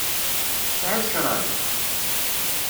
Tesεiḍ ccrab?